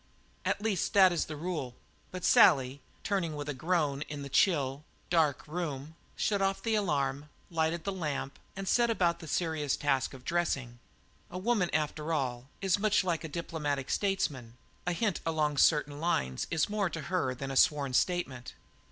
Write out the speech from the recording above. At least that is the rule, but Sally, turning out with a groan in the chill, dark room, shut off the alarm, lighted her lamp, and set about the serious task of dressing. A woman, after all, is much like a diplomatic statesman; a hint along certain lines is more to her than a sworn statement.